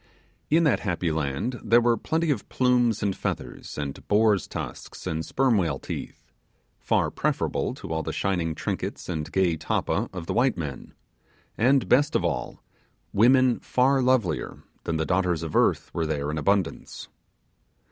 In that happy land there were plenty of plumes and feathers, and boars' tusks and sperm whale teeth, far preferable to all the shining trinkets and gay tappa of the white men; and, best of all, women far lovelier than the daughters of earth were there in abundance.